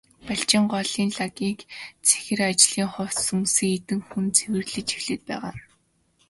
Балжийн голын лагийг цэнхэр ажлын хувцас өмссөн хэдэн хүн цэвэрлэж эхлээд байгаа.